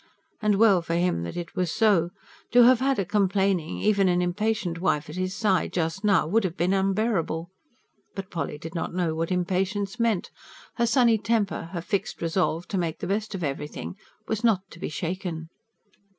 And well for him that it was so. To have had a complaining, even an impatient wife at his side, just now, would have been unbearable. But Polly did not know what impatience meant; her sunny temper, her fixed resolve to make the best of everything was not to be shaken.